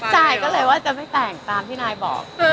ใช่ก็เลยว่าจะไม่แต่งตามที่นายบอก